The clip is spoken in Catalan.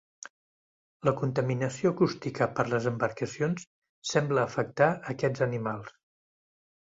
La contaminació acústica per les embarcacions sembla afectar aquests animals.